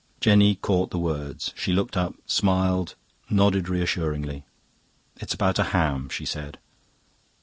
Jenny caught the words. She looked up, smiled, nodded reassuringly. "It's about a ham," she said.